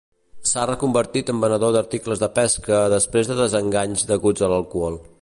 S'ha reconvertit en venedor d'articles de pesca després de desenganys deguts a l'alcohol.